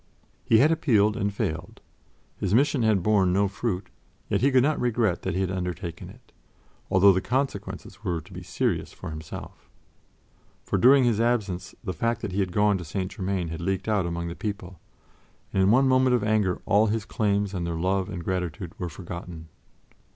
He had appealed and failed his mission had borne no fruit, yet he could not regret that he had undertaken it, although the consequences were to be serious for himself. For during his absence the fact that he had gone to St. Germain had leaked out among the people, and in one moment of anger all his claims on their love and gratitude were forgotten.